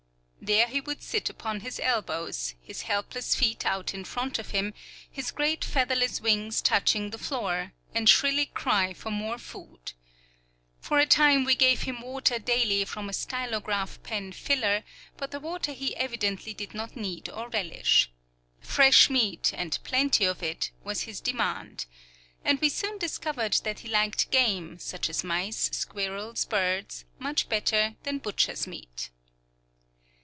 There he would sit upon his elbows, his helpless feet out in front of him, his great featherless wings touching the floor, and shrilly cry for more food. For a time we gave him water daily from a stylograph pen filler, but the water he evidently did not need or relish. Fresh meat, and plenty of it, was his demand. And we soon discovered that he liked game, such as mice, squirrels, birds, much better than butcher's meat.